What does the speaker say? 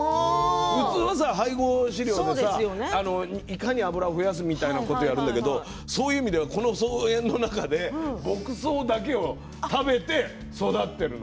普通は配合飼料でいかに脂を増やすみたいなことをやるんだけれどそういう意味ではこの草原の中で牧草だけを食べて育っているの。